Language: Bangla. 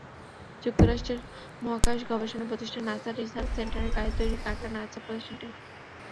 যুক্তরাষ্ট্রের মহাকাশ গবেষণা প্রতিষ্ঠান নাসার রিসার্চ সেন্টারে গাড়ি তৈরির কারখানা আছে প্রতিষ্ঠানটির।